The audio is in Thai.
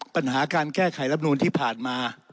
ปัญหาการแก้ไขรับนูนที่ผ่านมา